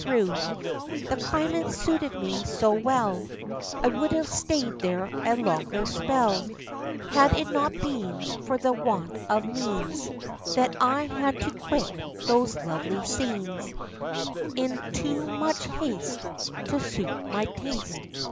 58 THE LIFE AND ADVENTURES The climate suited me so well, I would have staid there a longer spell, Had it not been, for the want of means, That I had to quit those lovely scenes In too much haste To suit my taste.